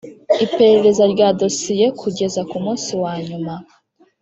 iperereza rya dosiye kugeza ku munsi wa nyuma